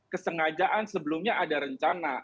kesengajaan sebelumnya ada rencana